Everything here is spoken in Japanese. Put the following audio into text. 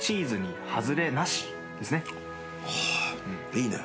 いいね。